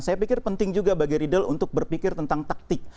saya pikir penting juga bagi riddle untuk berpikir tentang taktik